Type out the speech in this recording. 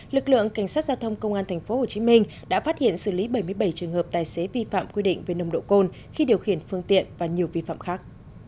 lực lượng cảnh sát giao thông công an tp hcm đã phát hiện xử lý bảy mươi bảy trường hợp tài xế vi phạm quy định về nồng độ cồn khi điều khiển phương tiện và nhiều vi phạm khác